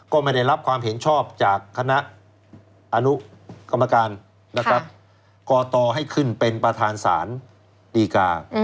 ไม่ได้รับความเห็นชอบจากคณะอนุกรรมการนะครับกตให้ขึ้นเป็นประธานศาลดีกา